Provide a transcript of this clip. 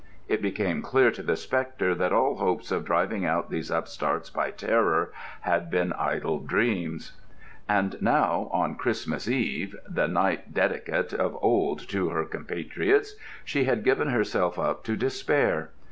It became clear to the spectre that all hopes of driving out these upstarts by terror had been idle dreams. And now, on Christmas Eve, the night dedicate of old to her compatriots, she had given herself up to despair.